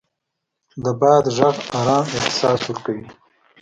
د باد غږ ارام احساس ورکوي